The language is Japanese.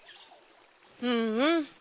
うんうん。